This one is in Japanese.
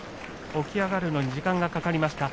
起き上がるのに時間がかかりました。